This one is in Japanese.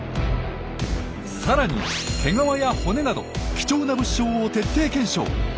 さらに毛皮や骨など貴重な物証を徹底検証。